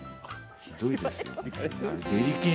ひどいですよ、本当。